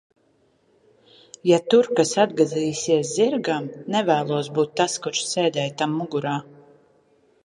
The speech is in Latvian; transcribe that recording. Ja tur kas atgadīsies zirgam, nevēlos būt tas, kurš sēdēja tam mugurā.